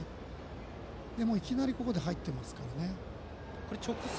で、いきなり入っていますからね。